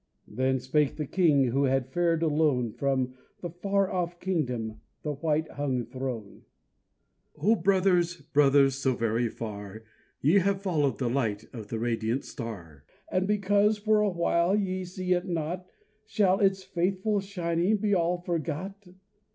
Then spake the king who had fared alone From the far off kingdom, the white hung throne: "O brothers, brothers, so very far Ye have followed the light of the radiant star, "And because for a while ye see it not Shall its faithful shining be all forgot?